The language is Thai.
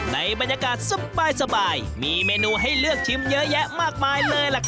ในบรรยากาศสบายมีเมนูให้เลือกชิมเยอะแยะมากมายเลยล่ะครับ